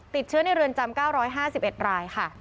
ติดเชื้อในเรือนจำ๙๕๑รายค่ะ